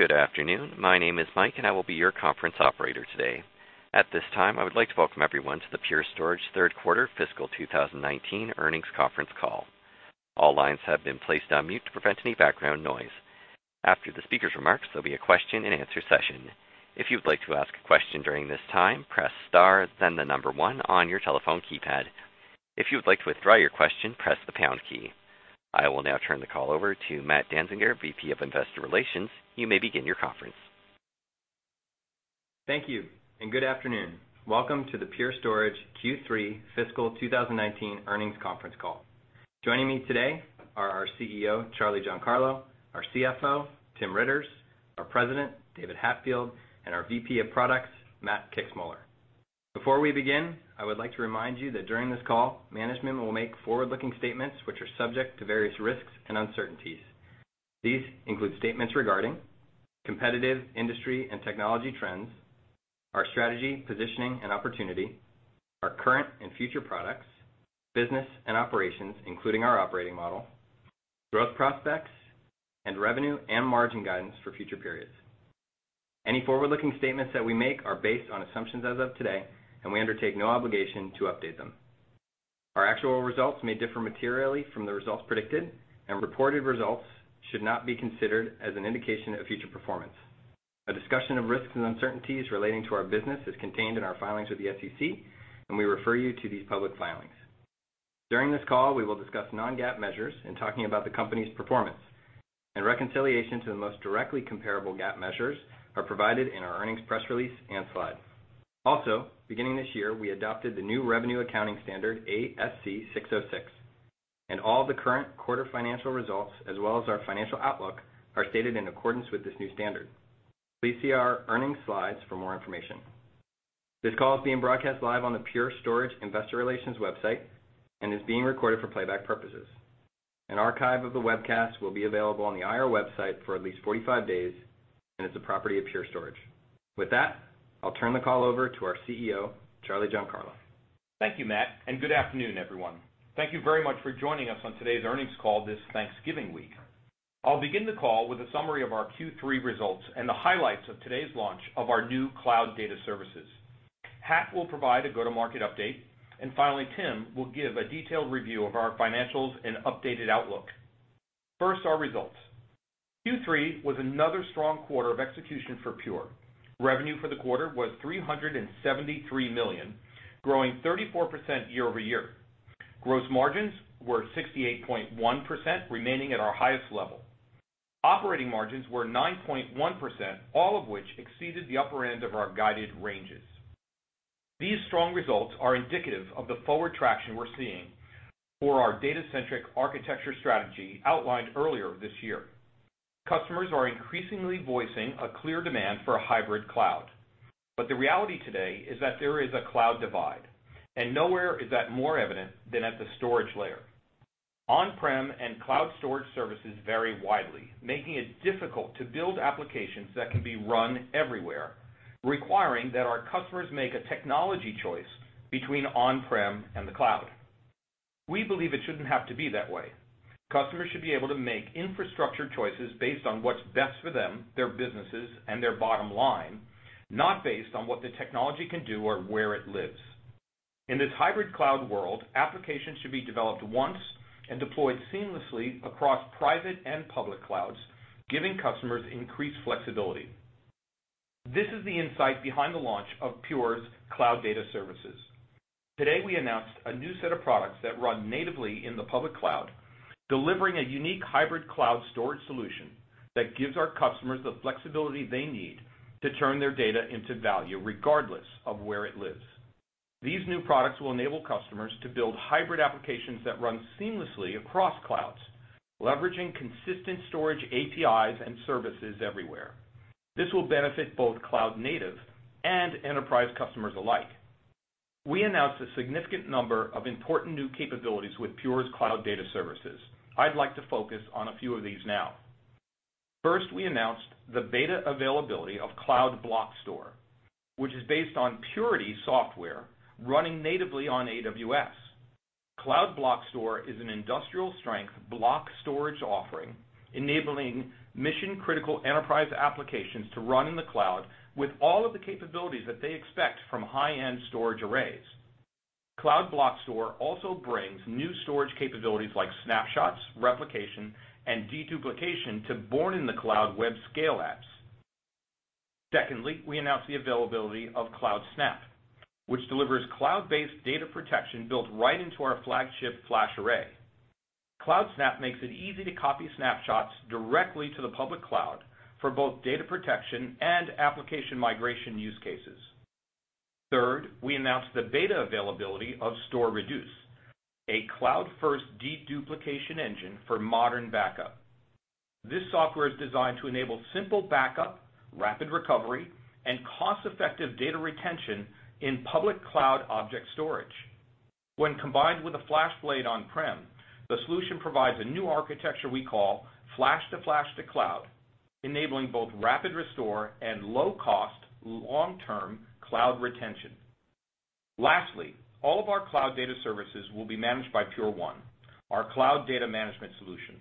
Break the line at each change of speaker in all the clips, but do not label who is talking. Good afternoon. My name is Mike, and I will be your conference operator today. At this time, I would like to welcome everyone to the Pure Storage third quarter fiscal 2019 earnings conference call. All lines have been placed on mute to prevent any background noise. After the speaker's remarks, there'll be a question and answer session. If you would like to ask a question during this time, press star, then the number one on your telephone keypad. If you would like to withdraw your question, press the pound key. I will now turn the call over to Matt Danziger, VP of Investor Relations. You may begin your conference.
Thank you, and good afternoon. Welcome to the Pure Storage Q3 fiscal 2019 earnings conference call. Joining me today are our CEO, Charlie Giancarlo, our CFO, Tim Riitters, our President, David Hatfield, and our VP of Products, Matt Kixmoeller. Before we begin, I would like to remind you that during this call, management will make forward-looking statements which are subject to various risks and uncertainties. These include statements regarding competitive industry and technology trends, our strategy, positioning, and opportunity, our current and future products, business and operations, including our operating model, growth prospects, and revenue and margin guidance for future periods. Any forward-looking statements that we make are based on assumptions as of today, and we undertake no obligation to update them. Our actual results may differ materially from the results predicted, and reported results should not be considered as an indication of future performance. A discussion of risks and uncertainties relating to our business is contained in our filings with the SEC, and we refer you to these public filings. During this call, we will discuss non-GAAP measures in talking about the company's performance, and reconciliation to the most directly comparable GAAP measures are provided in our earnings press release and slide. Also, beginning this year, we adopted the new revenue accounting standard ASC 606, and all the current quarter financial results, as well as our financial outlook, are stated in accordance with this new standard. Please see our earnings slides for more information. This call is being broadcast live on the Pure Storage Investor Relations website and is being recorded for playback purposes. An archive of the webcast will be available on the IR website for at least 45 days, and is the property of Pure Storage. With that, I'll turn the call over to our CEO, Charlie Giancarlo.
Thank you, Matt, and good afternoon, everyone. Thank you very much for joining us on today's earnings call this Thanksgiving week. I'll begin the call with a summary of our Q3 results and the highlights of today's launch of our new Cloud Data Services. Hat will provide a go-to-market update, and finally, Tim will give a detailed review of our financials and updated outlook. First, our results. Q3 was another strong quarter of execution for Pure. Revenue for the quarter was $373 million, growing 34% year-over-year. Gross margins were 68.1%, remaining at our highest level. Operating margins were 9.1%, all of which exceeded the upper end of our guided ranges. These strong results are indicative of the forward traction we're seeing for our data-centric architecture strategy outlined earlier this year. Customers are increasingly voicing a clear demand for a hybrid cloud. The reality today is that there is a cloud divide, and nowhere is that more evident than at the storage layer. On-prem and cloud storage services vary widely, making it difficult to build applications that can be run everywhere, requiring that our customers make a technology choice between on-prem and the cloud. We believe it shouldn't have to be that way. Customers should be able to make infrastructure choices based on what's best for them, their businesses, and their bottom line, not based on what the technology can do or where it lives. In this hybrid cloud world, applications should be developed once and deployed seamlessly across private and public clouds, giving customers increased flexibility. This is the insight behind the launch of Pure's Cloud Data Services. Today, we announced a new set of products that run natively in the public cloud, delivering a unique hybrid cloud storage solution that gives our customers the flexibility they need to turn their data into value, regardless of where it lives. These new products will enable customers to build hybrid applications that run seamlessly across clouds, leveraging consistent storage APIs and services everywhere. This will benefit both cloud native and enterprise customers alike. We announced a significant number of important new capabilities with Pure's Cloud Data Services. I'd like to focus on a few of these now. First, we announced the beta availability of Cloud Block Store, which is based on Purity software running natively on AWS. Cloud Block Store is an industrial-strength block storage offering, enabling mission-critical enterprise applications to run in the cloud with all of the capabilities that they expect from high-end storage arrays. Cloud Block Store also brings new storage capabilities like snapshots, replication, and deduplication to born-in-the-cloud web scale apps. Secondly, we announced the availability of CloudSnap, which delivers cloud-based data protection built right into our flagship FlashArray. CloudSnap makes it easy to copy snapshots directly to the public cloud for both data protection and application migration use cases. Third, we announced the beta availability of StorReduce, a cloud-first deduplication engine for modern backup. This software is designed to enable simple backup, rapid recovery, and cost-effective data retention in public cloud object storage. When combined with a FlashBlade on-prem, the solution provides a new architecture we call Flash-to-Flash-to-Cloud, enabling both Rapid Restore and low-cost, long-term cloud retention. Lastly, all of our Cloud Data Services will be managed by Pure1, our cloud data management solution.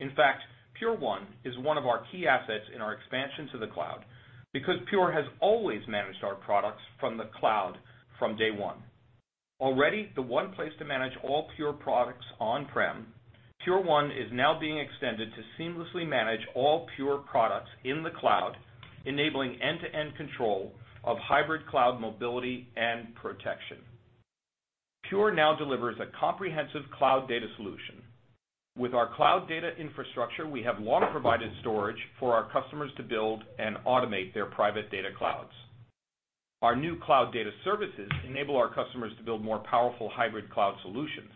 In fact, Pure1 is one of our key assets in our expansion to the cloud because Pure has always managed our products from the cloud from day one. Already the one place to manage all Pure products on-prem, Pure1 is now being extended to seamlessly manage all Pure products in the cloud, enabling end-to-end control of hybrid cloud mobility and protection. Pure now delivers a comprehensive cloud data solution. With our cloud data infrastructure, we have long provided storage for our customers to build and automate their private data clouds. Our new Cloud Data Services enable our customers to build more powerful hybrid cloud solutions.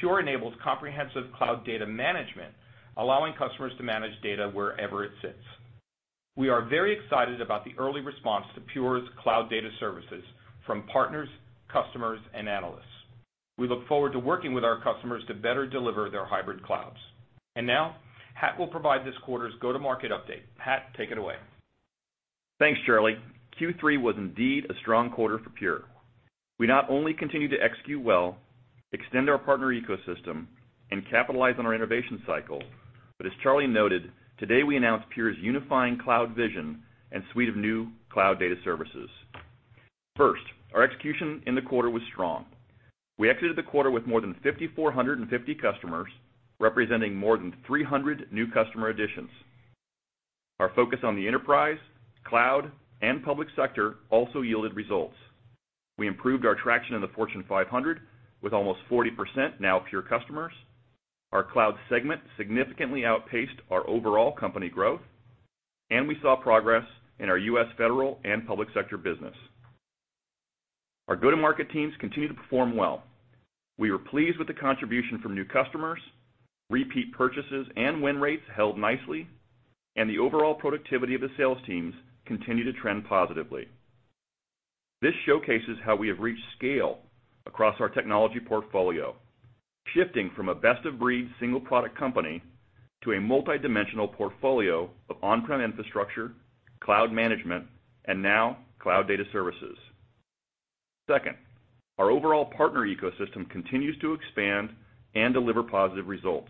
Pure enables comprehensive cloud data management, allowing customers to manage data wherever it sits. We are very excited about the early response to Pure's Cloud Data Services from partners, customers, and analysts. We look forward to working with our customers to better deliver their hybrid clouds. Now, Hat will provide this quarter's go-to-market update. Hat, take it away.
Thanks, Charlie. Q3 was indeed a strong quarter for Pure. We not only continued to execute well, extend our partner ecosystem, and capitalize on our innovation cycle, but as Charlie noted, today we announced Pure's unifying cloud vision and suite of new Cloud Data Services. First, our execution in the quarter was strong. We exited the quarter with more than 5,450 customers, representing more than 300 new customer additions. Our focus on the enterprise, cloud, and public sector also yielded results. We improved our traction in the Fortune 500, with almost 40% now Pure customers. Our cloud segment significantly outpaced our overall company growth, and we saw progress in our U.S. federal and public sector business. Our go-to-market teams continue to perform well. We were pleased with the contribution from new customers, repeat purchases and win rates held nicely, the overall productivity of the sales teams continue to trend positively. This showcases how we have reached scale across our technology portfolio, shifting from a best-of-breed single-product company to a multidimensional portfolio of on-prem infrastructure, cloud management, and now Cloud Data Services. Second, our overall partner ecosystem continues to expand and deliver positive results.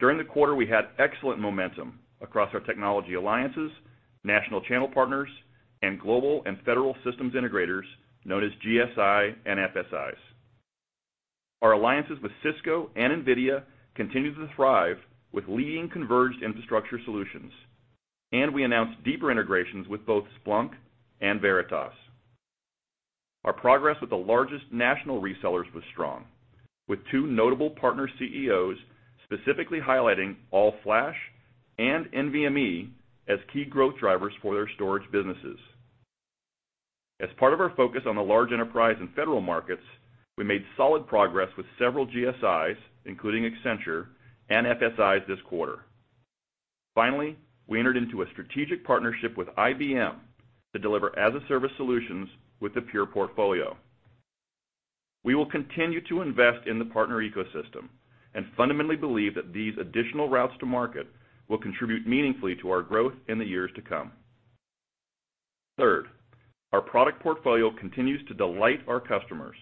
During the quarter, we had excellent momentum across our technology alliances, national channel partners, and global and federal systems integrators, known as GSI and FSIs. Our alliances with Cisco and Nvidia continue to thrive with leading converged infrastructure solutions, and we announced deeper integrations with both Splunk and Veritas. Our progress with the largest national resellers was strong, with two notable partner CEOs specifically highlighting all-flash and NVMe as key growth drivers for their storage businesses. As part of our focus on the large enterprise and federal markets, we made solid progress with several GSIs, including Accenture and FSIs this quarter. Finally, we entered into a strategic partnership with IBM to deliver as-a-service solutions with the Pure portfolio. We will continue to invest in the partner ecosystem and fundamentally believe that these additional routes to market will contribute meaningfully to our growth in the years to come. Third, our product portfolio continues to delight our customers,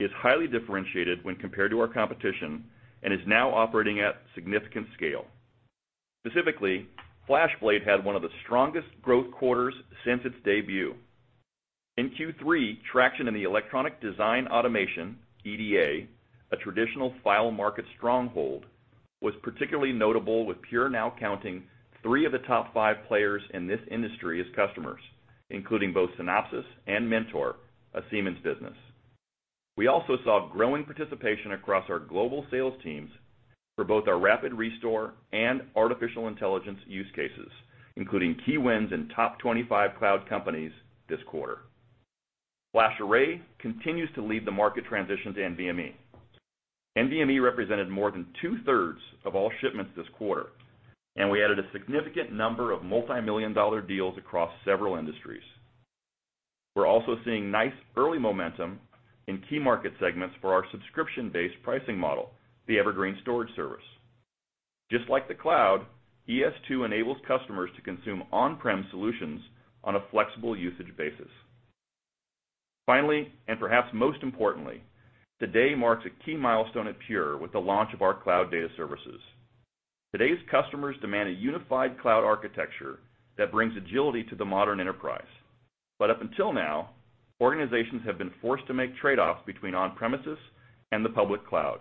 is highly differentiated when compared to our competition, and is now operating at significant scale. Specifically, FlashBlade had one of the strongest growth quarters since its debut. In Q3, traction in the electronic design automation, EDA, a traditional file market stronghold, was particularly notable, with Pure now counting three of the top five players in this industry as customers, including both Synopsys and Mentor, a Siemens business. We also saw growing participation across our global sales teams for both our Rapid Restore and artificial intelligence use cases, including key wins in top 25 cloud companies this quarter. FlashArray continues to lead the market transition to NVMe. NVMe represented more than two-thirds of all shipments this quarter, and we added a significant number of multimillion-dollar deals across several industries. We're also seeing nice early momentum in key market segments for our subscription-based pricing model, the Evergreen Storage Service. Just like the cloud, ES2 enables customers to consume on-prem solutions on a flexible usage basis. Finally, and perhaps most importantly, today marks a key milestone at Pure with the launch of our Cloud Data Services. Today's customers demand a unified cloud architecture that brings agility to the modern enterprise. Up until now, organizations have been forced to make trade-offs between on-premises and the public cloud.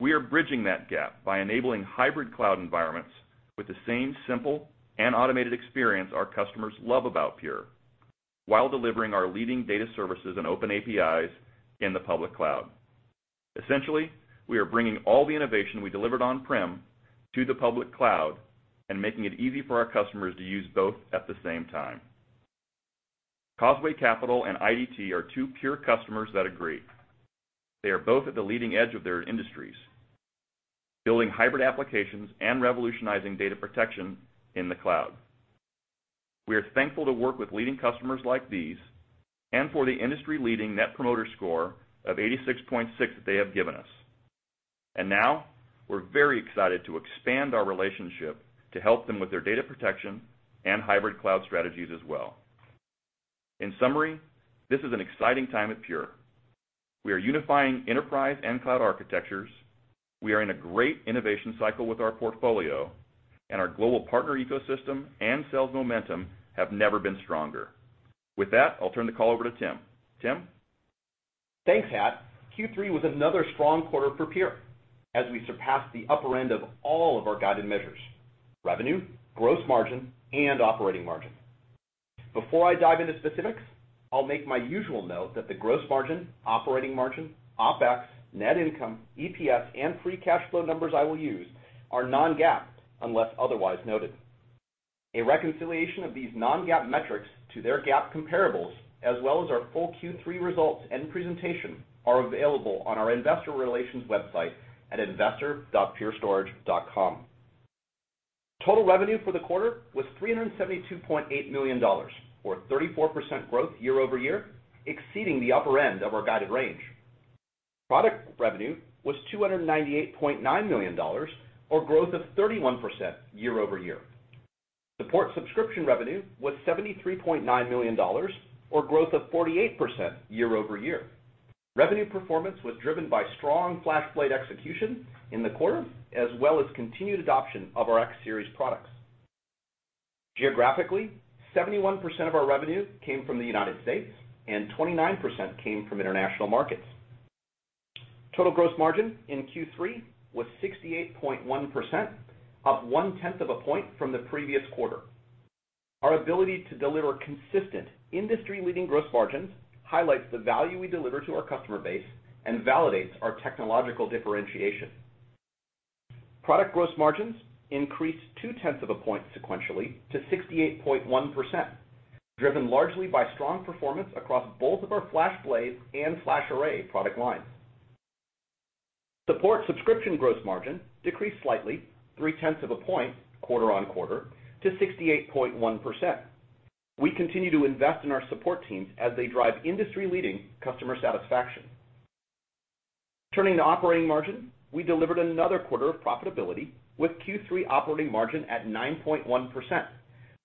We are bridging that gap by enabling hybrid cloud environments with the same simple and automated experience our customers love about Pure while delivering our leading data services and open APIs in the public cloud. Essentially, we are bringing all the innovation we delivered on-prem to the public cloud and making it easy for our customers to use both at the same time. Causeway Capital and IDT are two Pure customers that agree. They are both at the leading edge of their industries, building hybrid applications and revolutionizing data protection in the cloud. We are thankful to work with leading customers like these and for the industry-leading net promoter score of 86.6 that they have given us. Now we're very excited to expand our relationship to help them with their data protection and hybrid cloud strategies as well. In summary, this is an exciting time at Pure. We are unifying enterprise and cloud architectures. We are in a great innovation cycle with our portfolio, our global partner ecosystem and sales momentum have never been stronger. With that, I'll turn the call over to Tim. Tim?
Thanks, Hat. Q3 was another strong quarter for Pure as we surpassed the upper end of all of our guided measures, revenue, gross margin, and operating margin. Before I dive into specifics, I will make my usual note that the gross margin, operating margin, OpEx, net income, EPS, and free cash flow numbers I will use are non-GAAP, unless otherwise noted. A reconciliation of these non-GAAP metrics to their GAAP comparables, as well as our full Q3 results and presentation are available on our investor relations website at investor.purestorage.com. Total revenue for the quarter was $372.8 million, or 34% growth year-over-year, exceeding the upper end of our guided range. Product revenue was $298.9 million, or growth of 31% year-over-year. Support subscription revenue was $73.9 million, or growth of 48% year-over-year. Revenue performance was driven by strong FlashBlade execution in the quarter, as well as continued adoption of our X series products. Geographically, 71% of our revenue came from the U.S., and 29% came from international markets. Total gross margin in Q3 was 68.1%, up one-tenth of a point from the previous quarter. Our ability to deliver consistent industry-leading gross margins highlights the value we deliver to our customer base and validates our technological differentiation. Product gross margins increased two-tenths of a point sequentially to 68.1%, driven largely by strong performance across both of our FlashBlade and FlashArray product lines. Support subscription gross margin decreased slightly three-tenths of a point quarter-on-quarter to 68.1%. We continue to invest in our support teams as they drive industry-leading customer satisfaction. Turning to operating margin, we delivered another quarter of profitability with Q3 operating margin at 9.1%,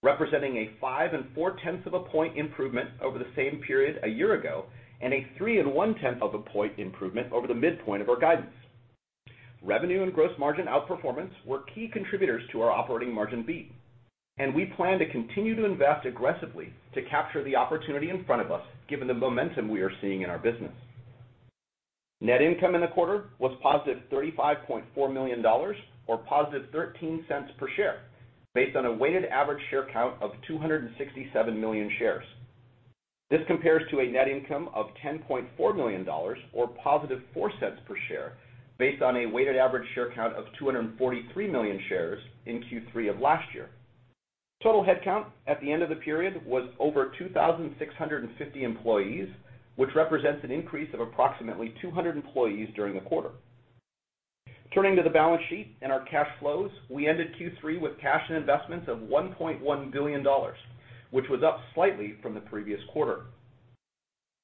representing a five and four-tenths of a point improvement over the same period a year-ago, and a three and one-tenth of a point improvement over the midpoint of our guidance. Revenue and gross margin outperformance were key contributors to our operating margin beat. We plan to continue to invest aggressively to capture the opportunity in front of us, given the momentum we are seeing in our business. Net income in the quarter was positive $35.4 million, or positive $0.13 per share, based on a weighted average share count of 267 million shares. This compares to a net income of $10.4 million, or positive $0.04 per share, based on a weighted average share count of 243 million shares in Q3 of last year. Total headcount at the end of the period was over 2,650 employees, which represents an increase of approximately 200 employees during the quarter. Turning to the balance sheet and our cash flows, we ended Q3 with cash and investments of $1.1 billion, which was up slightly from the previous quarter.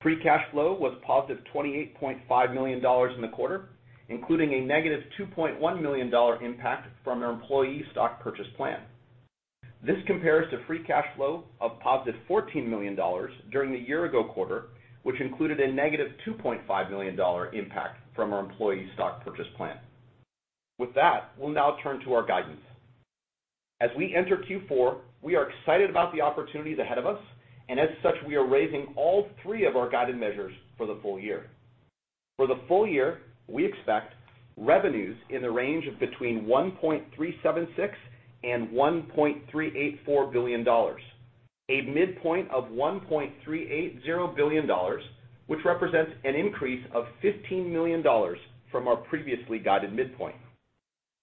Free cash flow was positive $28.5 million in the quarter, including a negative $2.1 million impact from our employee stock purchase plan. This compares to free cash flow of positive $14 million during the year-ago quarter, which included a negative $2.5 million impact from our employee stock purchase plan. With that, we will now turn to our guidance. As we enter Q4, we are excited about the opportunities ahead of us. As such, we are raising all three of our guided measures for the full year. For the full year, we expect revenues in the range of between $1.376 billion and $1.384 billion, a midpoint of $1.380 billion, which represents an increase of $15 million from our previously guided midpoint.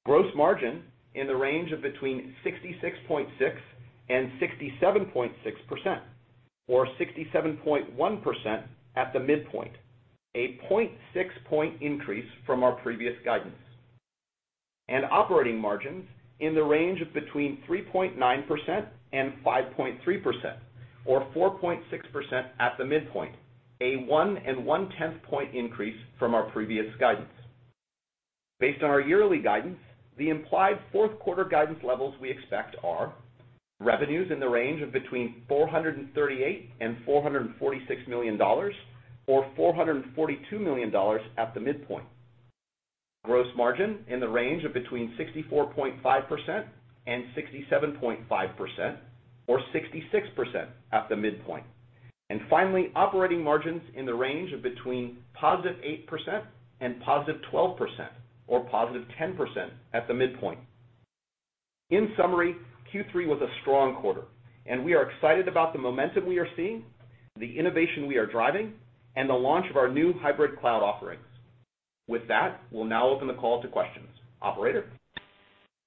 Gross margin in the range of between 66.6% and 67.6%, or 67.1% at the midpoint, a 0.6 point increase from our previous guidance. Operating margins in the range of between 3.9% and 5.3%, or 4.6% at the midpoint, a 1.1 point increase from our previous guidance. Based on our yearly guidance, the implied fourth quarter guidance levels we expect are, revenues in the range of between $438 million and $446 million, or $442 million at the midpoint. Gross margin in the range of between 64.5% and 67.5%, or 66% at the midpoint. Finally, operating margins in the range of between positive 8% and positive 12%, or positive 10% at the midpoint. In summary, Q3 was a strong quarter, and we are excited about the momentum we are seeing, the innovation we are driving, and the launch of our new hybrid cloud offerings. With that, we'll now open the call to questions. Operator?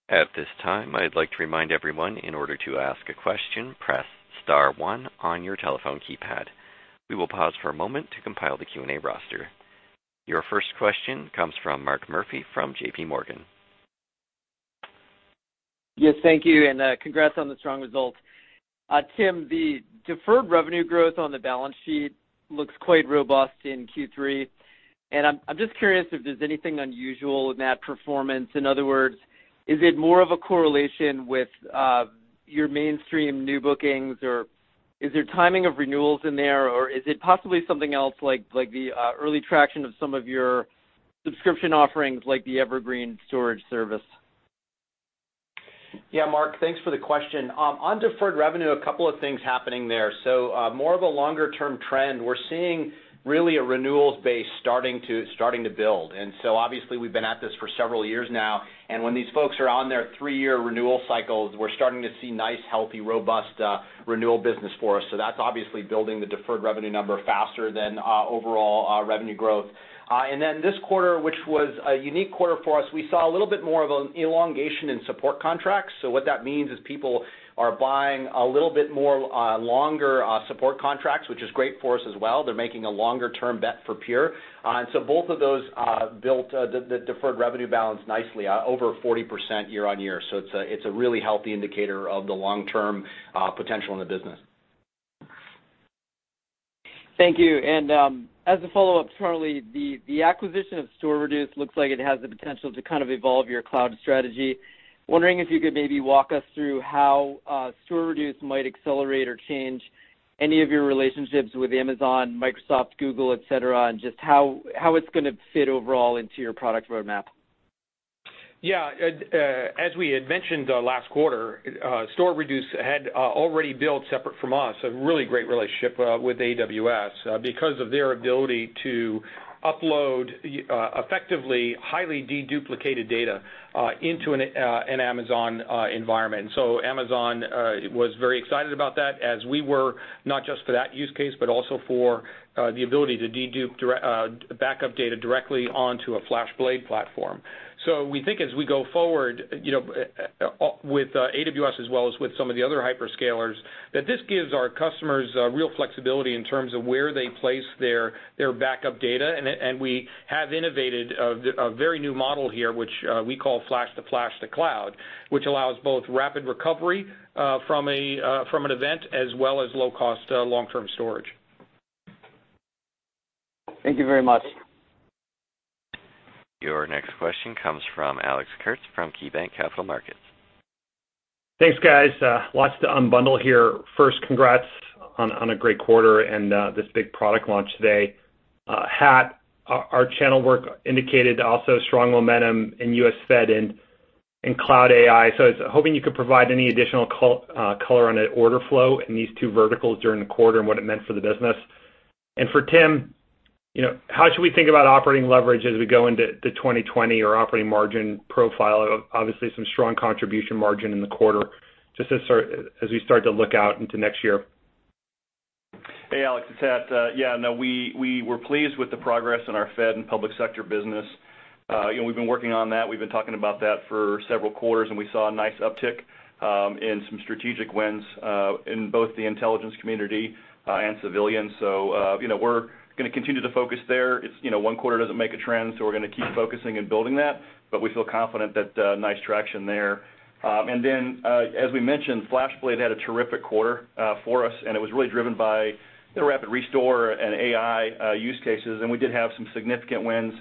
At this time, I'd like to remind everyone, in order to ask a question, press star one on your telephone keypad. We will pause for a moment to compile the Q&A roster. Your first question comes from Mark Murphy from JPMorgan.
Yes, thank you, and congrats on the strong results. Tim, the deferred revenue growth on the balance sheet looks quite robust in Q3, and I'm just curious if there's anything unusual in that performance. In other words, is it more of a correlation with your mainstream new bookings, or is there timing of renewals in there, or is it possibly something else like the early traction of some of your subscription offerings, like the Evergreen Storage Service?
Mark, thanks for the question. On deferred revenue, a couple of things happening there. More of a longer-term trend, we're seeing really a renewals base starting to build. Obviously, we've been at this for several years now, when these folks are on their three-year renewal cycles, we're starting to see nice, healthy, robust renewal business for us. That's obviously building the deferred revenue number faster than overall revenue growth. This quarter, which was a unique quarter for us, we saw a little bit more of an elongation in support contracts. What that means is people are buying a little bit more longer support contracts, which is great for us as well. They're making a longer-term bet for Pure. Both of those built the deferred revenue balance nicely, over 40% year-over-year. It's a really healthy indicator of the long-term potential in the business.
Thank you. As a follow-up, Charlie, the acquisition of StorReduce looks like it has the potential to kind of evolve your cloud strategy. Wondering if you could maybe walk us through how StorReduce might accelerate or change any of your relationships with Amazon, Microsoft, Google, et cetera, and just how it's going to fit overall into your product roadmap.
Yeah. As we had mentioned last quarter, StorReduce had already built, separate from us, a really great relationship with AWS because of their ability to upload effectively highly de-duplicated data into an Amazon environment. Amazon was very excited about that as we were, not just for that use case, but also for the ability to dedupe backup data directly onto a FlashBlade platform. We think as we go forward with AWS as well as with some of the other hyperscalers, that this gives our customers real flexibility in terms of where they place their backup data. We have innovated a very new model here, which we call Flash-to-Flash-to-Cloud, which allows both rapid recovery from an event as well as low-cost long-term storage.
Thank you very much.
Your next question comes from Alex Kurtz from KeyBanc Capital Markets.
Thanks, guys. Lots to unbundle here. First, congrats on a great quarter and this big product launch today. Hat, our channel work indicated also strong momentum in U.S. Fed and Cloud AI. I was hoping you could provide any additional color on the order flow in these two verticals during the quarter and what it meant for the business. For Tim, how should we think about operating leverage as we go into 2020, or operating margin profile? Obviously, some strong contribution margin in the quarter, just as we start to look out into next year.
Hey, Alex, it's Hat. We were pleased with the progress in our Fed and public sector business. We've been working on that. We've been talking about that for several quarters, we saw a nice uptick in some strategic wins in both the intelligence community and civilian. We're going to continue to focus there. One quarter doesn't make a trend, so we're going to keep focusing and building that, but we feel confident that nice traction there. As we mentioned, FlashBlade had a terrific quarter for us, and it was really driven by the Rapid Restore and AI use cases. We did have some significant wins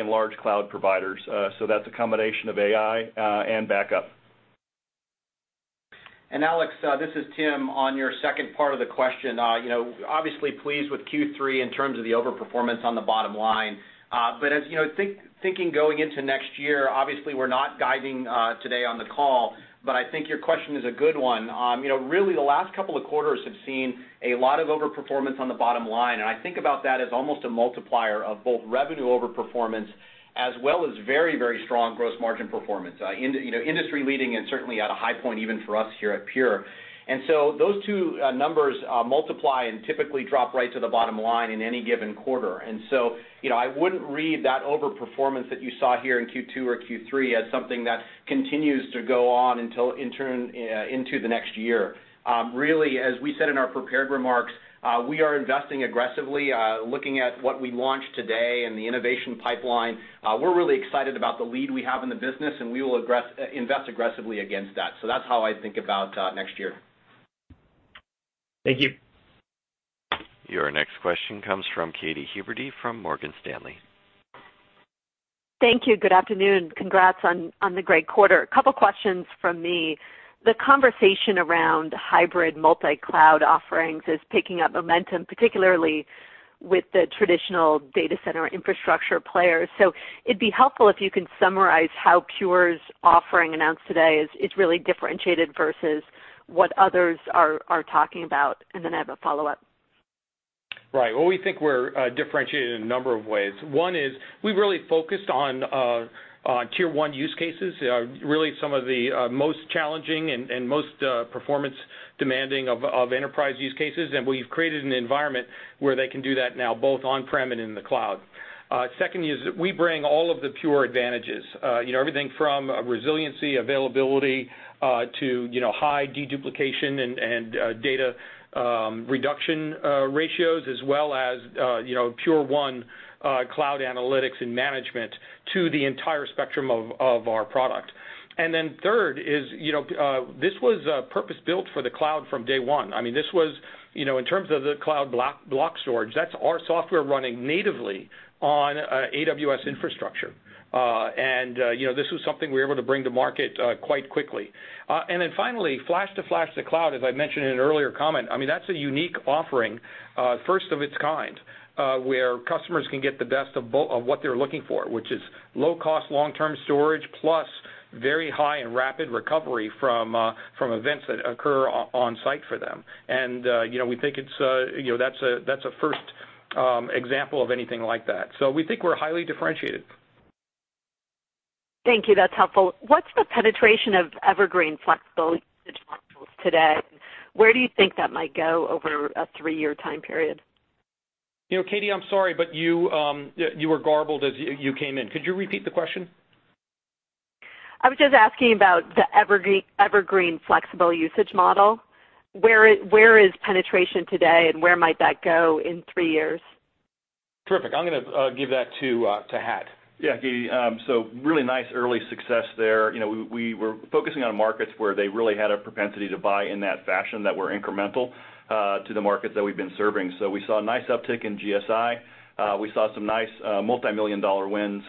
in large cloud providers. That's a combination of AI and backup.
Alex, this is Tim on your second part of the question. Obviously pleased with Q3 in terms of the over-performance on the bottom line. Thinking going into next year, obviously, we're not guiding today on the call, but I think your question is a good one. The last couple of quarters have seen a lot of over-performance on the bottom line, and I think about that as almost a multiplier of both revenue over-performance as well as very, very strong gross margin performance. Industry-leading and certainly at a high point even for us here at Pure. Those two numbers multiply and typically drop right to the bottom line in any given quarter. I wouldn't read that over-performance that you saw here in Q2 or Q3 as something that continues to go on into the next year. As we said in our prepared remarks, we are investing aggressively, looking at what we launched today and the innovation pipeline. We're really excited about the lead we have in the business, and we will invest aggressively against that. That's how I think about next year.
Thank you.
Your next question comes from Katy Huberty from Morgan Stanley.
Thank you. Good afternoon. Congrats on the great quarter. A couple of questions from me. The conversation around hybrid multi-cloud offerings is picking up momentum, particularly with the traditional data center infrastructure players. It'd be helpful if you can summarize how Pure's offering announced today is really differentiated versus what others are talking about. I have a follow-up.
Well, we think we're differentiated in a number of ways. One is we really focused on tier 1 use cases, really some of the most challenging and most performance demanding of enterprise use cases. We've created an environment where they can do that now, both on-prem and in the cloud. Second is we bring all of the Pure advantages, everything from resiliency, availability, to high deduplication and data reduction ratios as well as Pure1 cloud analytics and management to the entire spectrum of our product. Third is, this was purpose-built for the cloud from day one. In terms of the Cloud Block Store, that's our software running natively on AWS infrastructure. This was something we were able to bring to market quite quickly. Finally, Flash-to-Flash-to-Cloud, as I mentioned in an earlier comment, that's a unique offering, first of its kind where customers can get the best of what they're looking for, which is low cost, long-term storage plus very high and rapid recovery from events that occur on site for them. We think that's a first example of anything like that. We think we're highly differentiated.
Thank you. That's helpful. What's the penetration of Evergreen flexible usage models today? Where do you think that might go over a three-year time period?
Katy, I'm sorry, you were garbled as you came in. Could you repeat the question?
I was just asking about the Evergreen flexible usage model. Where is penetration today, and where might that go in three years?
Terrific. I'm going to give that to Hat.
Yeah, Katy. Really nice early success there. We were focusing on markets where they really had a propensity to buy in that fashion that were incremental to the markets that we've been serving. We saw a nice uptick in GSI. We saw some nice multimillion-dollar wins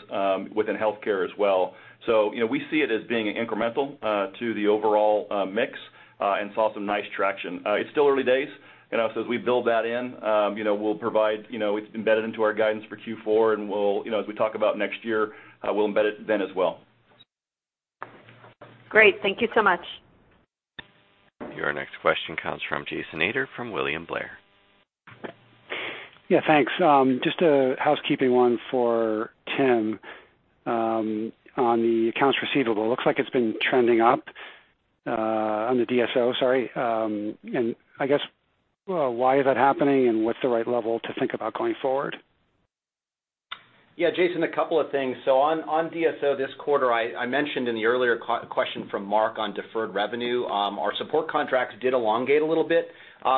within healthcare as well. We see it as being incremental to the overall mix and saw some nice traction. It's still early days, as we build that in, it's embedded into our guidance for Q4, and as we talk about next year, we'll embed it then as well.
Great. Thank you so much.
Your next question comes from Jason Ader from William Blair.
Yeah, thanks. Just a housekeeping one for Tim on the accounts receivable. Looks like it's been trending up on the DSO, sorry. I guess why is that happening, and what's the right level to think about going forward?
Yeah, Jason, a couple of things. On DSO this quarter, I mentioned in the earlier question from Mark on deferred revenue our support contracts did elongate a little bit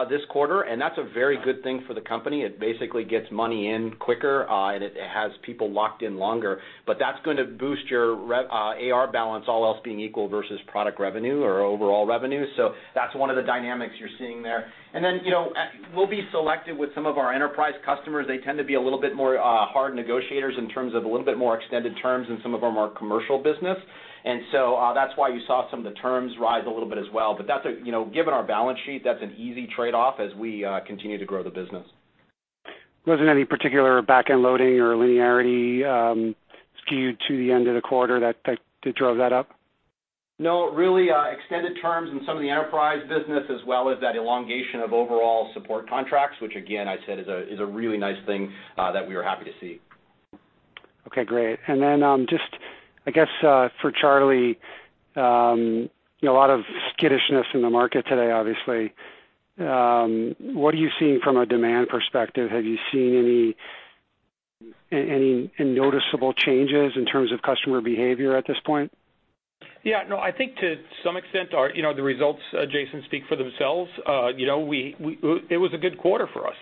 this quarter, and that's a very good thing for the company. It basically gets money in quicker, and it has people locked in longer. That's going to boost your AR balance, all else being equal versus product revenue or overall revenue. That's one of the dynamics you're seeing there. Then, we'll be selective with some of our enterprise customers. They tend to be a little bit more hard negotiators in terms of a little bit more extended terms than some of them are commercial business. That's why you saw some of the terms rise a little bit as well, but given our balance sheet, that's an easy trade-off as we continue to grow the business.
Was there any particular back-end loading or linearity skewed to the end of the quarter that drove that up?
No, really extended terms in some of the enterprise business as well as that elongation of overall support contracts, which again, I said is a really nice thing that we are happy to see.
Okay, great. Then just I guess for Charlie, a lot of skittishness in the market today, obviously. What are you seeing from a demand perspective? Have you seen any noticeable changes in terms of customer behavior at this point?
Yeah, no, I think to some extent, the results, Jason, speak for themselves. It was a good quarter for us.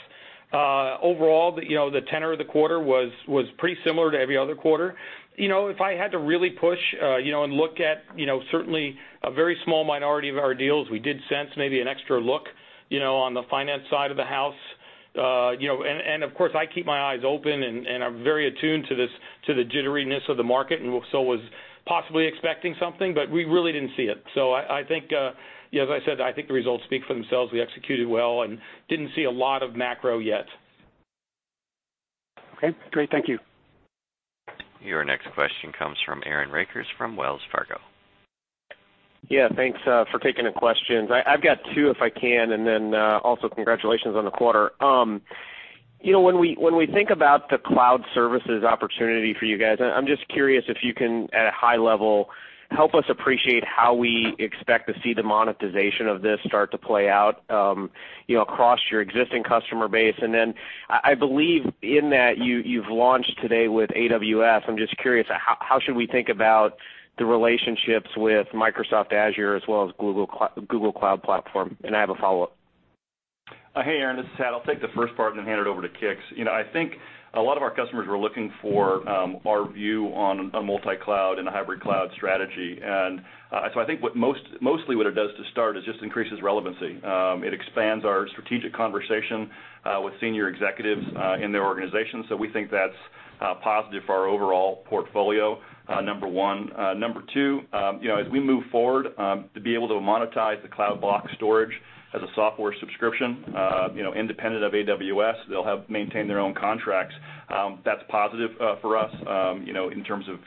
Overall, the tenor of the quarter was pretty similar to every other quarter. If I had to really push, look at certainly a very small minority of our deals, we did sense maybe an extra look on the finance side of the house. Of course, I keep my eyes open and I'm very attuned to the jitteriness of the market, and so was possibly expecting something, but we really didn't see it. As I said, I think the results speak for themselves. We executed well and didn't see a lot of macro yet.
Okay, great. Thank you.
Your next question comes from Aaron Rakers from Wells Fargo.
Yeah, thanks for taking the questions. I've got two, if I can, then also congratulations on the quarter. When we think about the cloud services opportunity for you guys, I'm just curious if you can, at a high level, help us appreciate how we expect to see the monetization of this start to play out across your existing customer base. Then I believe in that you've launched today with AWS. I'm just curious, how should we think about the relationships with Microsoft Azure as well as Google Cloud Platform? I have a follow-up.
Hey, Aaron, this is Hat. I'll take the first part then hand it over to Kix. I think a lot of our customers were looking for our view on a multi-cloud and a hybrid cloud strategy. So I think mostly what it does to start is just increases relevancy. It expands our strategic conversation with senior executives in their organizations. We think that's positive for our overall portfolio, number one. Number two, as we move forward to be able to monetize the Cloud Block Store as a software subscription independent of AWS, they'll maintain their own contracts. That's positive for us in terms of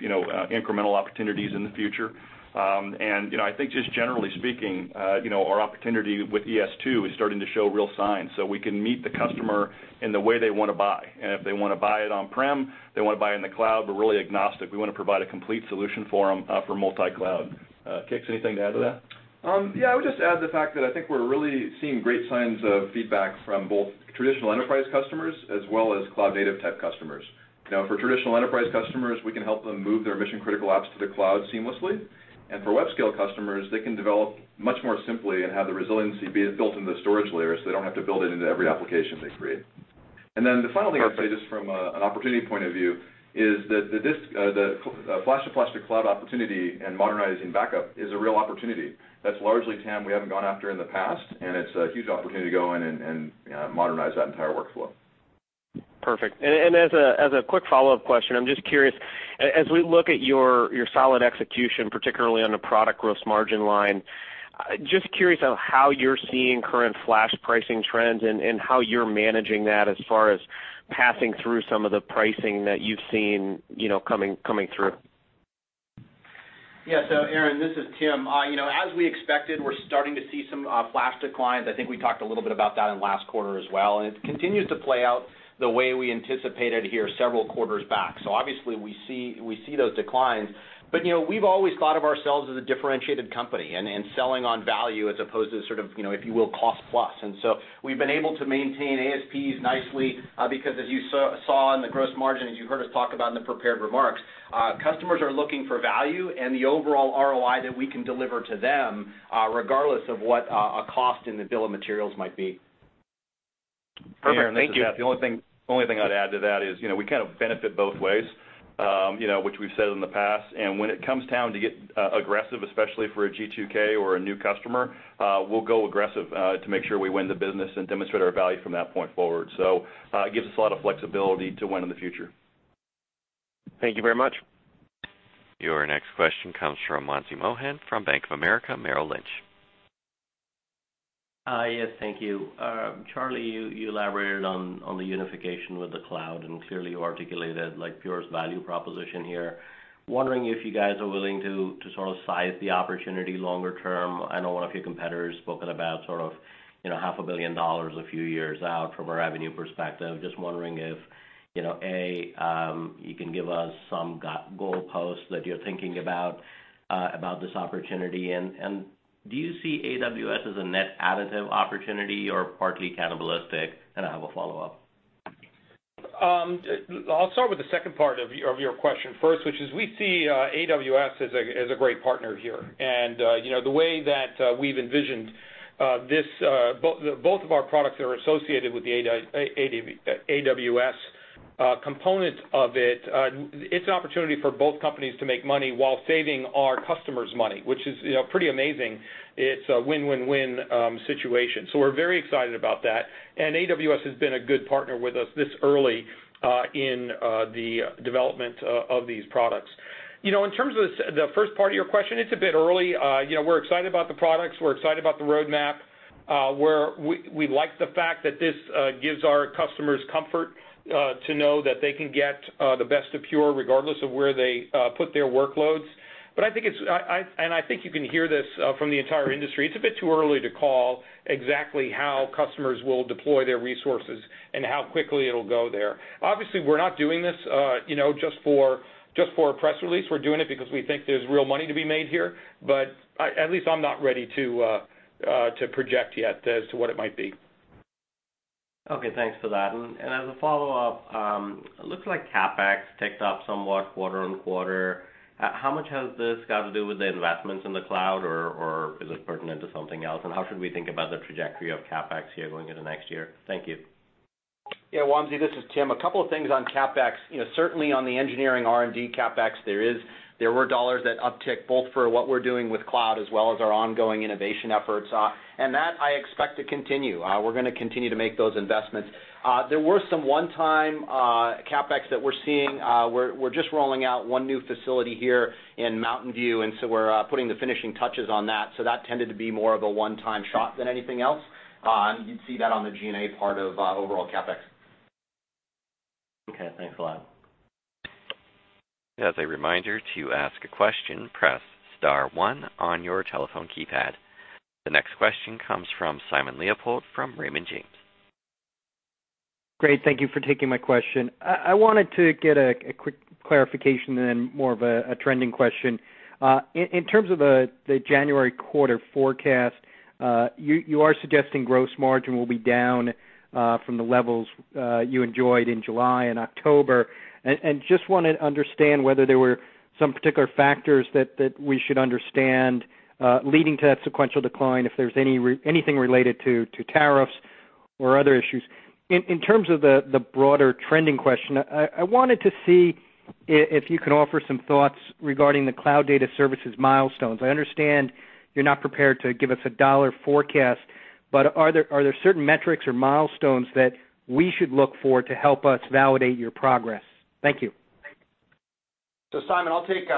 incremental opportunities in the future. I think just generally speaking our opportunity with ES2 is starting to show real signs, so we can meet the customer in the way they want to buy. If they want to buy it on-prem, they want to buy it in the cloud, we're really agnostic. We want to provide a complete solution for them for multi-cloud. Kix, anything to add to that?
Yeah. I would just add the fact that I think we're really seeing great signs of feedback from both traditional enterprise customers as well as cloud native type customers. For traditional enterprise customers, we can help them move their mission-critical apps to the cloud seamlessly. For web scale customers, they can develop much more simply and have the resiliency built into the storage layer, so they don't have to build it into every application they create.
The final thing I'd say, just from an opportunity point of view, is that the Flash-to-Flash-to-Cloud opportunity and modernizing backup is a real opportunity. That's largely, TAM, we haven't gone after in the past, and it's a huge opportunity to go in and modernize that entire workflow.
Perfect. As a quick follow-up question, I'm just curious, as we look at your solid execution, particularly on the product gross margin line, just curious on how you're seeing current flash pricing trends and how you're managing that as far as passing through some of the pricing that you've seen coming through.
Aaron, this is Tim. As we expected, we're starting to see some Flash declines. I think we talked a little bit about that in last quarter as well. It continues to play out the way we anticipated here several quarters back. Obviously we see those declines, but we've always thought of ourselves as a differentiated company and selling on value as opposed to sort of, if you will, cost plus. We've been able to maintain ASPs nicely because as you saw in the gross margin, as you heard us talk about in the prepared remarks, customers are looking for value and the overall ROI that we can deliver to them, regardless of what a cost in the bill of materials might be.
Perfect. Thank you.
The only thing I'd add to that is, we kind of benefit both ways, which we've said in the past. When it comes time to get aggressive, especially for a G2K or a new customer, we'll go aggressive to make sure we win the business and demonstrate our value from that point forward. It gives us a lot of flexibility to win in the future.
Thank you very much.
Your next question comes from Wamsi Mohan from Bank of America Merrill Lynch.
Hi. Yes, thank you. Charlie, you elaborated on the unification with the cloud and clearly articulated Pure's value proposition here. Wondering if you guys are willing to sort of size the opportunity longer term. I know one of your competitors spoken about sort of half a billion dollars a few years out from a revenue perspective. Just wondering if, A, you can give us some goalposts that you're thinking about this opportunity, and do you see AWS as a net additive opportunity or partly cannibalistic? I have a follow-up.
I'll start with the second part of your question first, which is we see AWS as a great partner here. The way that we've envisioned both of our products that are associated with the AWS component of it's an opportunity for both companies to make money while saving our customers money, which is pretty amazing. It's a win-win-win situation. We're very excited about that, and AWS has been a good partner with us this early in the development of these products. In terms of the first part of your question, it's a bit early. We're excited about the products. We're excited about the roadmap. We like the fact that this gives our customers comfort to know that they can get the best of Pure regardless of where they put their workloads. I think you can hear this from the entire industry. It's a bit too early to call exactly how customers will deploy their resources and how quickly it'll go there. Obviously, we're not doing this just for a press release. We're doing it because we think there's real money to be made here, but at least I'm not ready to project yet as to what it might be.
Okay, thanks for that. As a follow-up, looks like CapEx ticked up somewhat quarter-on-quarter. How much has this got to do with the investments in the cloud, or is it pertinent to something else? How should we think about the trajectory of CapEx here going into next year? Thank you.
Yeah, Wamsi, this is Tim. A couple of things on CapEx. Certainly on the engineering R&D CapEx, there were dollars that uptick both for what we're doing with cloud as well as our ongoing innovation efforts. That I expect to continue. We're going to continue to make those investments. There were some one-time CapEx that we're seeing. We're just rolling out one new facility here in Mountain View, we're putting the finishing touches on that. That tended to be more of a one-time shot than anything else. You'd see that on the G&A part of overall CapEx.
Okay, thanks a lot.
As a reminder, to ask a question, press star one on your telephone keypad. The next question comes from Simon Leopold from Raymond James.
Great. Thank you for taking my question. I wanted to get a quick clarification and then more of a trending question. In terms of the January quarter forecast, you are suggesting gross margin will be down from the levels you enjoyed in July and October. Just want to understand whether there were some particular factors that we should understand leading to that sequential decline, if there's anything related to tariffs or other issues. In terms of the broader trending question, I wanted to see if you could offer some thoughts regarding the Cloud Data Services milestones. I understand you're not prepared to give us a dollar forecast, but are there certain metrics or milestones that we should look for to help us validate your progress? Thank you.
Simon, I'll take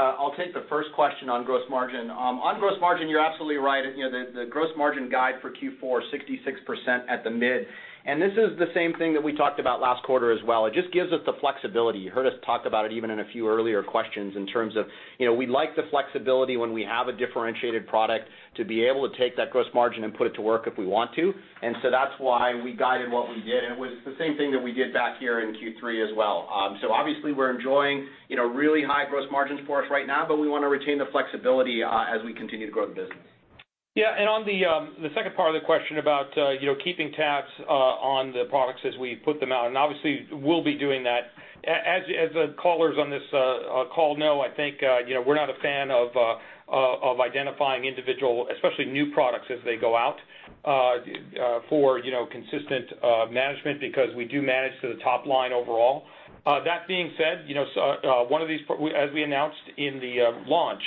the first question on gross margin. On gross margin, you're absolutely right. The gross margin guide for Q4, 66% at the mid. This is the same thing that we talked about last quarter as well. It just gives us the flexibility. You heard us talk about it even in a few earlier questions in terms of we like the flexibility when we have a differentiated product to be able to take that gross margin and put it to work if we want to. That's why we guided what we did, and it was the same thing that we did back here in Q3 as well. Obviously we're enjoying really high gross margins for us right now, but we want to retain the flexibility as we continue to grow the business.
On the second part of the question about keeping tabs on the products as we put them out, and obviously we'll be doing that. As the callers on this call know, I think we're not a fan of identifying individual, especially new products as they go out. For consistent management, because we do manage to the top line overall. That being said, as we announced in the launch,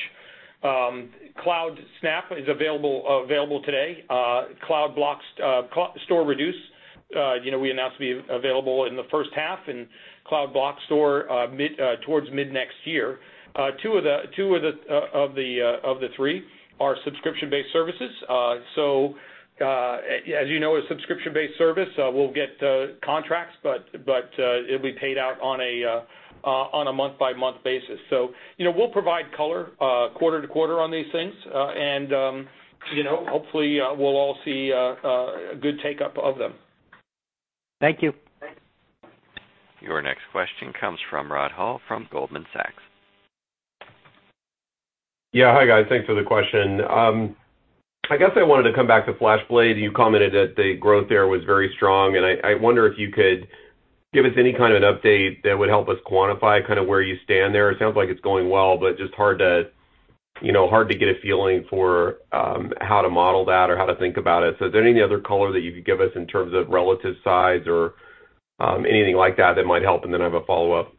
CloudSnap is available today. Cloud Block Store StorReduce, we announced will be available in the first half, and Cloud Block Store towards mid next year. Two of the three are subscription-based services. As you know, a subscription-based service, we'll get contracts, but it'll be paid out on a month-by-month basis. We'll provide color quarter to quarter on these things, and hopefully we'll all see a good take-up of them.
Thank you.
Your next question comes from Rod Hall from Goldman Sachs.
Yeah. Hi, guys. Thanks for the question. I guess I wanted to come back to FlashBlade. You commented that the growth there was very strong, and I wonder if you could give us any kind of an update that would help us quantify where you stand there. It sounds like it's going well, but just hard to get a feeling for how to model that or how to think about it. Is there any other color that you could give us in terms of relative size or anything like that that might help? Then I have a follow-up.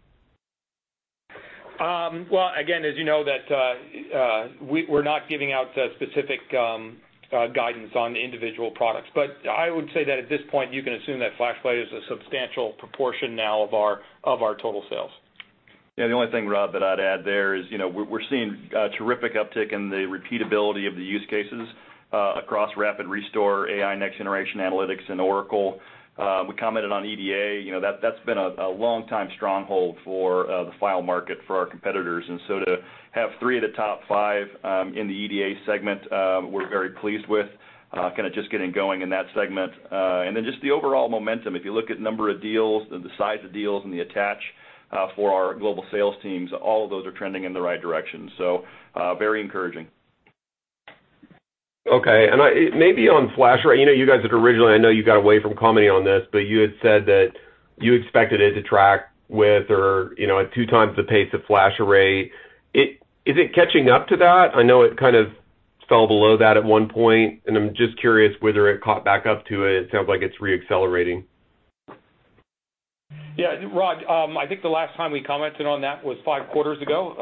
Well, again, as you know, we're not giving out specific guidance on the individual products. I would say that at this point, you can assume that FlashBlade is a substantial proportion now of our total sales.
Yeah. The only thing, Rod, that I'd add there is we're seeing a terrific uptick in the repeatability of the use cases across Rapid Restore, AI, next-generation analytics, and Oracle. We commented on EDA. That's been a long time stronghold for the file market for our competitors. To have three of the top five in the EDA segment, we're very pleased with just getting going in that segment. Then just the overall momentum. If you look at number of deals and the size of deals and the attach for our global sales teams, all of those are trending in the right direction. Very encouraging.
Okay. Maybe on FlashArray, you guys had originally, I know you got away from commenting on this, but you had said that you expected it to track with or at two times the pace of FlashArray. Is it catching up to that? I know it fell below that at one point, and I am just curious whether it caught back up to it. It sounds like it's re-accelerating.
Rod, I think the last time we commented on that was five quarters ago,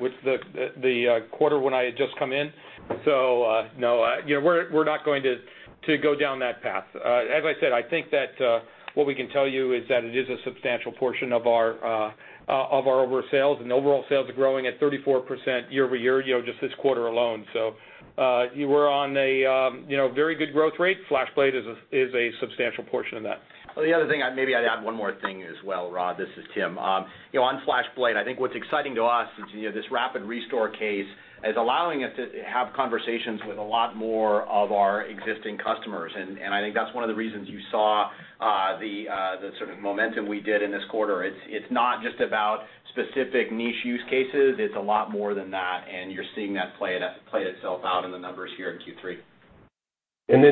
with the quarter when I had just come in. No, we're not going to go down that path. As I said, I think that what we can tell you is that it is a substantial portion of our overall sales. Overall sales are growing at 34% year-over-year just this quarter alone. We're on a very good growth rate. FlashBlade is a substantial portion of that.
The other thing, maybe I'd add one more thing as well, Rod. This is Tim. On FlashBlade, I think what's exciting to us is this Rapid Restore case is allowing us to have conversations with a lot more of our existing customers. I think that's one of the reasons you saw the sort of momentum we did in this quarter. It's not just about specific niche use cases. It's a lot more than that, and you're seeing that play itself out in the numbers here in Q3.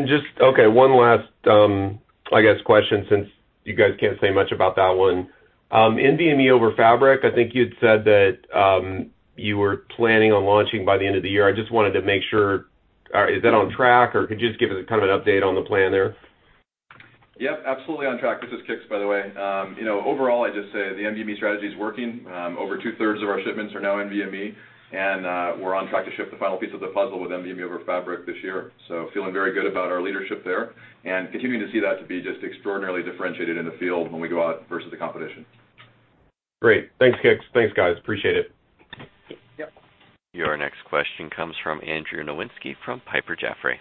Just, okay, one last I guess question, since you guys can't say much about that one. NVMe over Fabrics, I think you had said that you were planning on launching by the end of the year. I just wanted to make sure, is that on track? Could you just give us an update on the plan there?
Yep, absolutely on track. This is Kix, by the way. Overall, I'd just say the NVMe strategy is working. Over two-thirds of our shipments are now NVMe, and we're on track to ship the final piece of the puzzle with NVMe over Fabrics this year. Feeling very good about our leadership there, and continuing to see that to be just extraordinarily differentiated in the field when we go out versus the competition.
Great. Thanks, Kix. Thanks, guys. Appreciate it.
Yep.
Your next question comes from Andrew Nowinski from Piper Jaffray.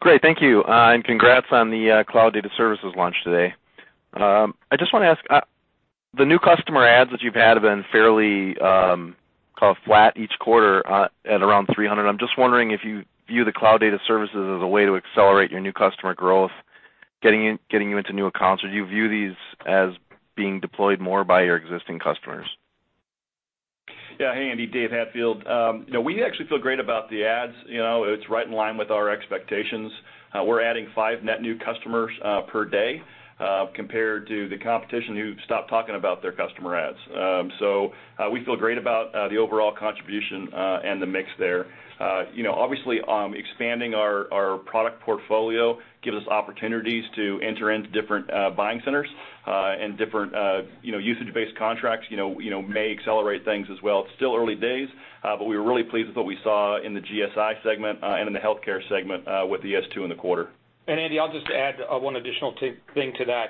Great. Thank you. Congrats on the Cloud Data Services launch today. I just want to ask, the new customer adds that you've had have been fairly flat each quarter at around 300. I'm just wondering if you view the Cloud Data Services as a way to accelerate your new customer growth, getting you into new accounts. Do you view these as being deployed more by your existing customers?
Yeah. Hey, Andy. Dave Hatfield. We actually feel great about the adds. It's right in line with our expectations. We're adding five net new customers per day, compared to the competition who've stopped talking about their customer adds. We feel great about the overall contribution and the mix there. Obviously, expanding our product portfolio gives us opportunities to enter into different buying centers, and different usage-based contracts may accelerate things as well. It's still early days, but we were really pleased with what we saw in the GSI segment and in the healthcare segment with the S2 in the quarter.
Andy, I'll just add one additional thing to that.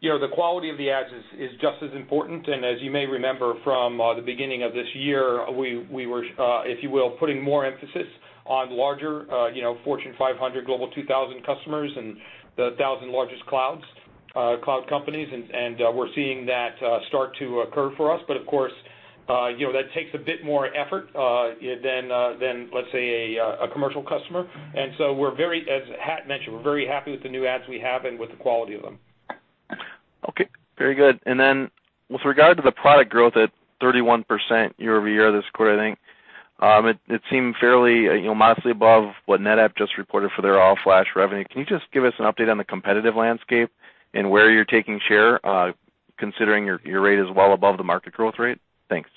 The quality of the adds is just as important. As you may remember from the beginning of this year, we were, if you will, putting more emphasis on larger Fortune 500, Global 2000 customers and the 1,000 largest cloud companies, and we're seeing that start to occur for us. Of course, that takes a bit more effort than, let's say, a commercial customer. We're very, as Hat mentioned, we're very happy with the new adds we have and with the quality of them.
Okay. Very good. With regard to the product growth at 31% year-over-year this quarter, I think, it seemed fairly modestly above what NetApp just reported for their all-flash revenue. Can you just give us an update on the competitive landscape and where you're taking share, considering your rate is well above the market growth rate? Thanks.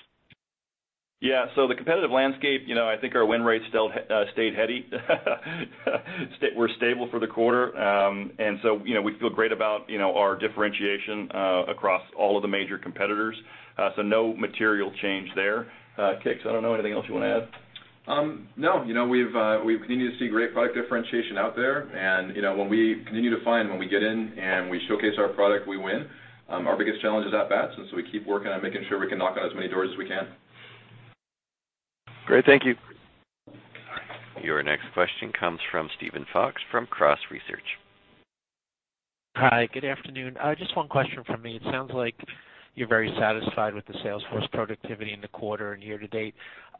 Yeah. The competitive landscape, I think our win rates stayed heady. We're stable for the quarter. We feel great about our differentiation across all of the major competitors. No material change there. Kix, I don't know, anything else you want to add?
No, we've continued to see great product differentiation out there, and we continue to find when we get in and we showcase our product, we win. Our biggest challenge is at-bats. We keep working on making sure we can knock on as many doors as we can.
Great. Thank you.
Your next question comes from Steven Fox from Cross Research.
Hi, good afternoon. Just one question from me. It sounds like you're very satisfied with the sales force productivity in the quarter and year to date.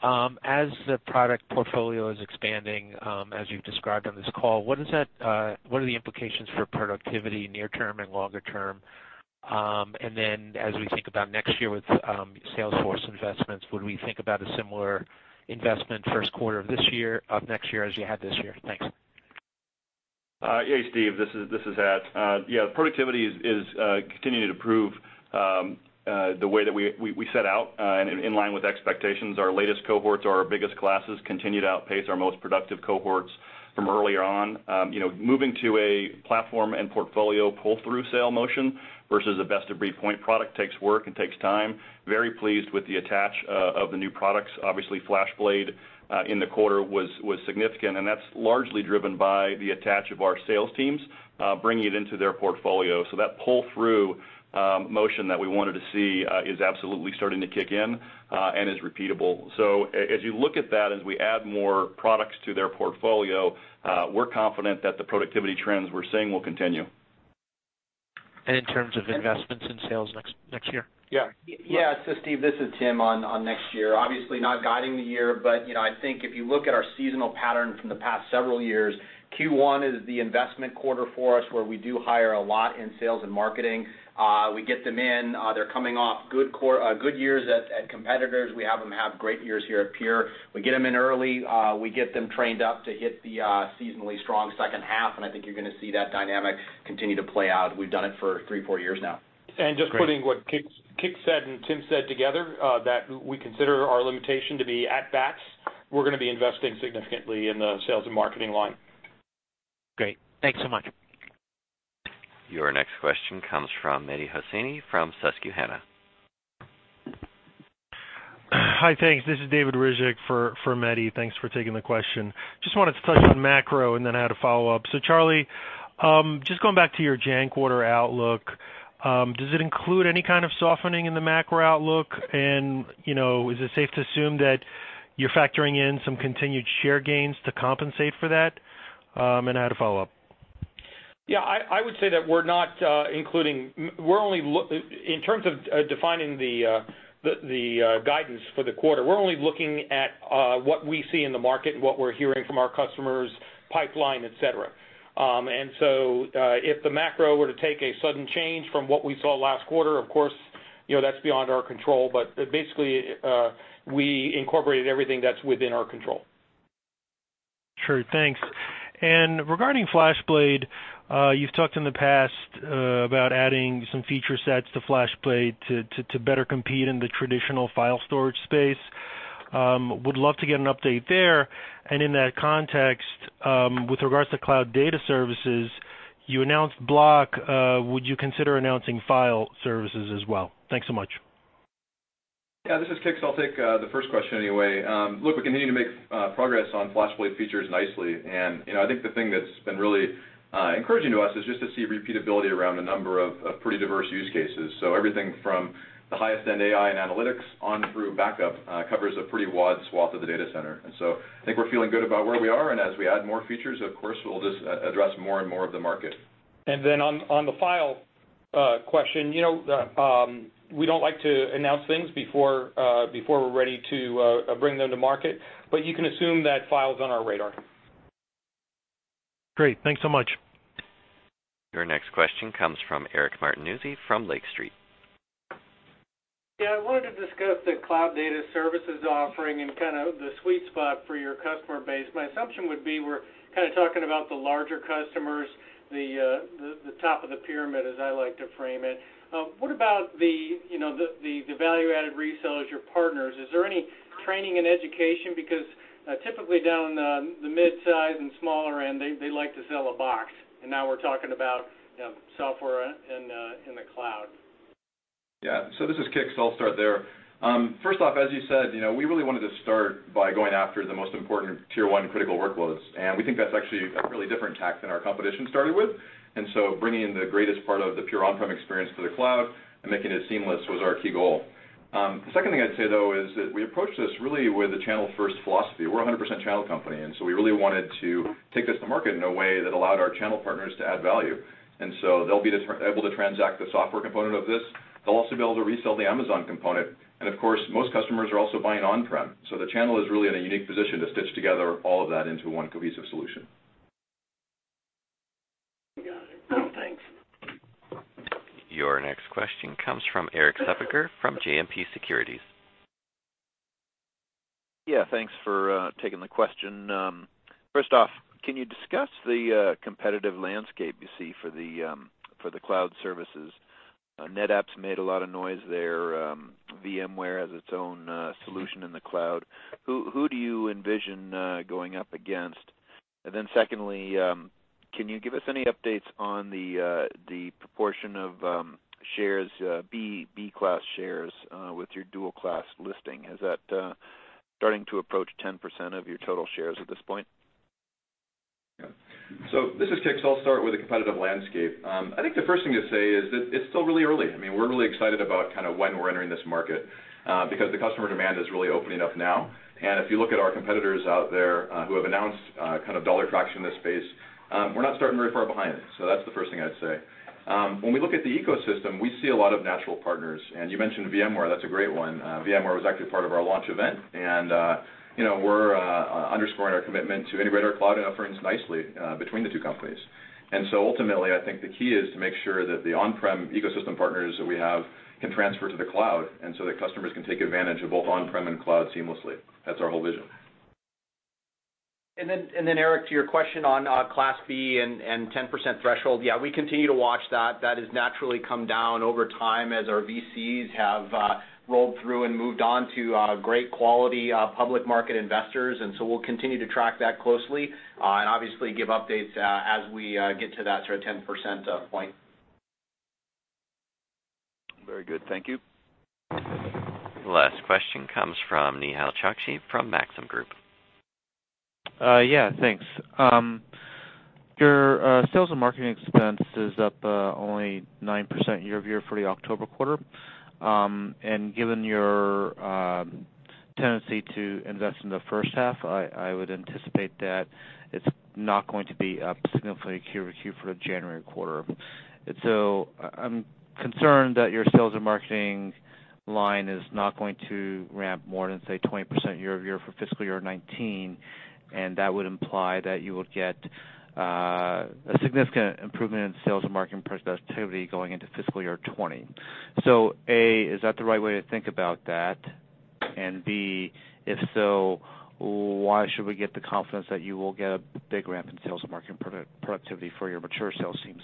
As the product portfolio is expanding, as you've described on this call, what are the implications for productivity near term and longer term? As we think about next year with sales force investments, would we think about a similar investment first quarter of next year as you had this year? Thanks.
Hey, Steve. This is Hat. Yeah, productivity is continuing to prove the way that we set out in line with expectations. Our latest cohorts, our biggest classes continue to outpace our most productive cohorts from earlier on. Moving to a platform and portfolio pull-through sale motion versus a best-of-breed point product takes work and takes time. Very pleased with the attach of the new products. Obviously, FlashBlade in the quarter was significant, and that's largely driven by the attach of our sales teams bringing it into their portfolio. That pull-through motion that we wanted to see is absolutely starting to kick in and is repeatable. As you look at that, as we add more products to their portfolio, we're confident that the productivity trends we're seeing will continue.
In terms of investments in sales next year?
Yeah. Steve, this is Tim on next year. Obviously, not guiding the year, but I think if you look at our seasonal pattern from the past several years, Q1 is the investment quarter for us, where we do hire a lot in sales and marketing. We get them in, they're coming off good years at competitors. We have them have great years here at Pure Storage. We get them in early, we get them trained up to hit the seasonally strong second half, and I think you're going to see that dynamic continue to play out. We've done it for three, four years now.
Just putting what Kix said and Tim said together, that we consider our limitation to be at bats. We're going to be investing significantly in the sales and marketing line.
Great. Thanks so much.
Your next question comes from Mehdi Hosseini from Susquehanna.
Hi. Thanks. This is David Rizik for Mehdi. Thanks for taking the question. Just wanted to touch on macro and then I had a follow-up. Charlie, just going back to your January quarter outlook, does it include any kind of softening in the macro outlook? Is it safe to assume that you're factoring in some continued share gains to compensate for that? I had a follow-up.
Yeah, I would say that in terms of defining the guidance for the quarter, we're only looking at what we see in the market and what we're hearing from our customers, pipeline, et cetera. If the macro were to take a sudden change from what we saw last quarter, of course, that's beyond our control. Basically, we incorporated everything that's within our control.
Sure. Thanks. Regarding FlashBlade, you've talked in the past about adding some feature sets to FlashBlade to better compete in the traditional file storage space. Would love to get an update there. In that context, with regards to Cloud Data Services, you announced Block. Would you consider announcing file services as well? Thanks so much.
Yeah, this is Kix. I'll take the first question anyway. Look, we continue to make progress on FlashBlade features nicely, and I think the thing that's been really encouraging to us is just to see repeatability around a number of pretty diverse use cases. Everything from the highest end AI and analytics on through backup covers a pretty wide swath of the data center. I think we're feeling good about where we are, and as we add more features, of course, we'll just address more and more of the market.
On the file question, we don't like to announce things before we're ready to bring them to market, but you can assume that file's on our radar.
Great. Thanks so much.
Your next question comes from Eric Martinuzzi from Lake Street.
Yeah. I wanted to discuss the Cloud Data Services offering and the sweet spot for your customer base. My assumption would be we're talking about the larger customers, the top of the pyramid, as I like to frame it. What about the value-added resellers, your partners? Is there any training and education? Typically, down the midsize and smaller end, they like to sell a box, and now we're talking about software in the cloud.
Yeah. This is Kix. I'll start there. First off, as you said, we really wanted to start by going after the most important tier 1 critical workloads. We think that's actually a really different tack than our competition started with. Bringing in the greatest part of the Pure on-prem experience to the cloud and making it seamless was our key goal. The second thing I'd say, though, is that we approached this really with a channel-first philosophy. We're a 100% channel company, and we really wanted to take this to market in a way that allowed our channel partners to add value. They'll be able to transact the software component of this. They'll also be able to resell the Amazon component. Of course, most customers are also buying on-prem. The channel is really in a unique position to stitch together all of that into one cohesive solution.
Got it. Thanks.
Your next question comes from Erik Suppiger from JMP Securities.
Yeah, thanks for taking the question. First off, can you discuss the competitive landscape you see for the cloud services? NetApp's made a lot of noise there. VMware has its own solution in the cloud. Who do you envision going up against? Secondly, can you give us any updates on the proportion of B class shares with your dual class listing? Is that starting to approach 10% of your total shares at this point?
Yeah. This is Kix. I'll start with the competitive landscape. I think the first thing to say is it's still really early. We're really excited about when we're entering this market, because the customer demand is really opening up now. If you look at our competitors out there who have announced dollar traction in this space, we're not starting very far behind. That's the first thing I'd say. When we look at the ecosystem, we see a lot of natural partners, and you mentioned VMware. That's a great one. VMware was actually part of our launch event, and we're underscoring our commitment to integrate our cloud offerings nicely between the two companies. Ultimately, I think the key is to make sure that the on-prem ecosystem partners that we have can transfer to the cloud, so that customers can take advantage of both on-prem and cloud seamlessly. That's our whole vision.
Eric, to your question on class B and 10% threshold, yeah, we continue to watch that. That has naturally come down over time as our VCs have rolled through and moved on to great quality public market investors. We'll continue to track that closely, and obviously give updates as we get to that sort of 10% point.
Very good. Thank you.
Last question comes from Nehal Chokshi from Maxim Group.
Thanks. Your sales and marketing expense is up only 9% year-over-year for the October quarter. Given your tendency to invest in the first half, I would anticipate that it's not going to be up significantly Q over Q for the January quarter. I'm concerned that your sales and marketing line is not going to ramp more than, say, 20% year-over-year for fiscal year 2019, and that would imply that you will get a significant improvement in sales and marketing productivity going into fiscal year 2020. A, is that the right way to think about that? B, if so, why should we get the confidence that you will get a big ramp in sales and marketing productivity for your mature sales teams?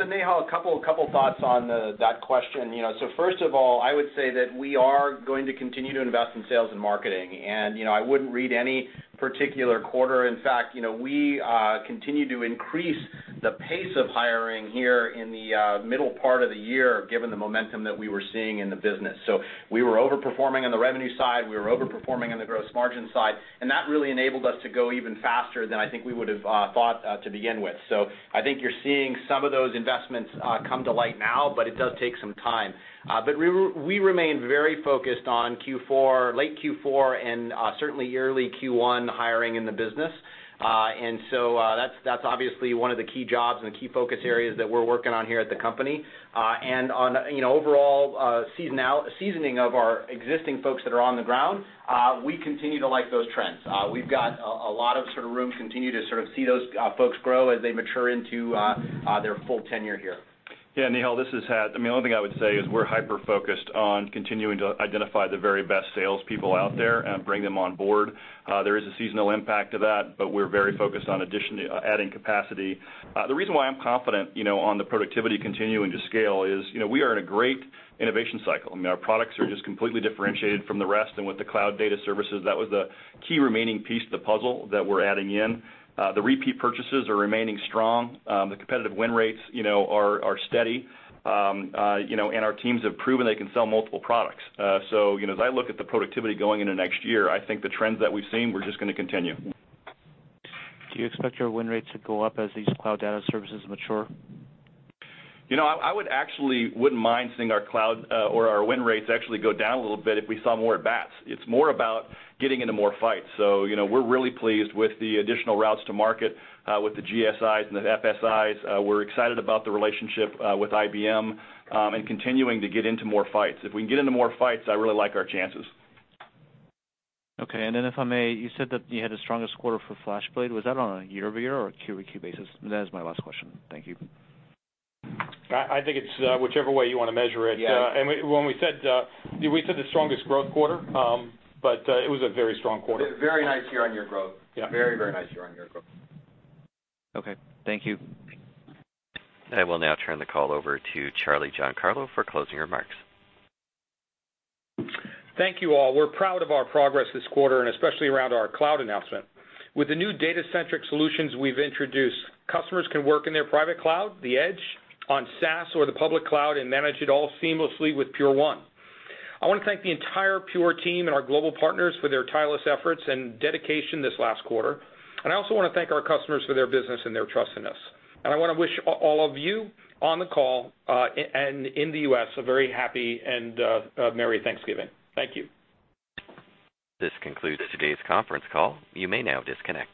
Nehal, a couple of thoughts on that question. First of all, I would say that we are going to continue to invest in sales and marketing, and I wouldn't read any particular quarter. In fact, we continue to increase the pace of hiring here in the middle part of the year, given the momentum that we were seeing in the business. We were overperforming on the revenue side, we were overperforming on the gross margin side, and that really enabled us to go even faster than I think we would have thought to begin with. I think you're seeing some of those investments come to light now, but it does take some time. We remain very focused on late Q4 and certainly early Q1 hiring in the business. That's obviously one of the key jobs and the key focus areas that we're working on here at the company. On overall seasoning of our existing folks that are on the ground, we continue to like those trends. We've got a lot of room, continue to see those folks grow as they mature into their full tenure here.
Nehal, this is Hat. The only thing I would say is we're hyper-focused on continuing to identify the very best salespeople out there and bring them on board. There is a seasonal impact to that, but we're very focused on additionally adding capacity. The reason why I'm confident on the productivity continuing to scale is we are in a great innovation cycle. Our products are just completely differentiated from the rest, and with the Cloud Data Services, that was the key remaining piece of the puzzle that we're adding in. The repeat purchases are remaining strong. The competitive win rates are steady. Our teams have proven they can sell multiple products. As I look at the productivity going into next year, I think the trends that we've seen, we're just going to continue.
Do you expect your win rates to go up as these Cloud Data Services mature?
I actually wouldn't mind seeing our cloud or our win rates actually go down a little bit if we saw more at-bats. It's more about getting into more fights. We're really pleased with the additional routes to market, with the GSIs and the FSIs. We're excited about the relationship with IBM, continuing to get into more fights. If we can get into more fights, I really like our chances.
Okay. If I may, you said that you had the strongest quarter for FlashBlade. Was that on a year-over-year or a quarter-over-quarter basis? That is my last question. Thank you.
I think it's whichever way you want to measure it.
Yeah.
We said the strongest growth quarter, but it was a very strong quarter.
Very nice year-on-year growth.
Yeah.
Very nice year-on-year growth.
Okay. Thank you.
I will now turn the call over to Charlie Giancarlo for closing remarks.
Thank you, all. We're proud of our progress this quarter, and especially around our cloud announcement. With the new data-centric solutions we've introduced, customers can work in their private cloud, the edge, on SaaS or the public cloud, and manage it all seamlessly with Pure1. I want to thank the entire Pure team and our global partners for their tireless efforts and dedication this last quarter. I also want to thank our customers for their business and their trust in us. I want to wish all of you on the call, and in the U.S., a very happy and merry Thanksgiving. Thank you.
This concludes today's conference call. You may now disconnect.